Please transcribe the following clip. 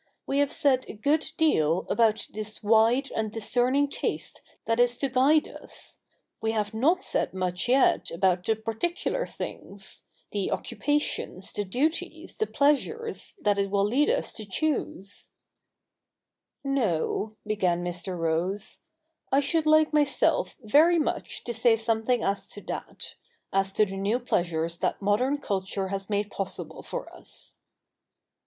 We have said a good deal about this wide and discerning taste that is to guide us. We have not said much yet about the particular things — the occupations, the duties, the pleasures, that it will lead us to choose.' cii. iv] THE NEW REPUBLIC 177 ' No,' began Mr. Rose, • I should like myself very much to say something as to that — as to the new pleasures that modern culture has made possible for us.'